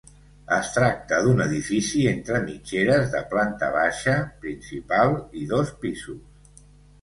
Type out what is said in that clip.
Es tracta d'un edifici entre mitgeres de planta baixa, principal i dos pisos.